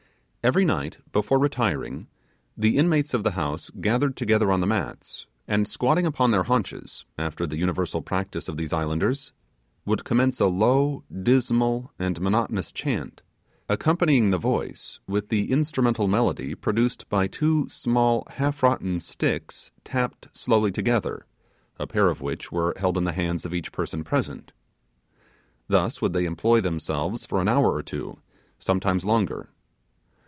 Every night, before retiring, the inmates of the house gathered together on the mats, and so squatting upon their haunches, after the universal practice of these islanders, would commence a low, dismal and monotonous chant, accompanying the voice with the instrumental melody produced by two small half rotten sticks tapped slowly together, a pair of which were held in the hands of each person present. Thus would they employ themselves for an hour or two, sometimes longer.